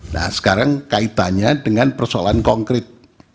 nah sekarang kaitannya dengan persoalan konkret